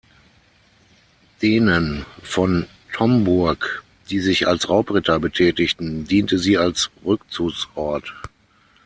Denen "von Tomburg", die sich als Raubritter betätigten, diente sie als Rückzugsort.